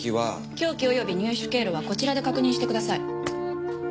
凶器および入手経路はこちらで確認してください。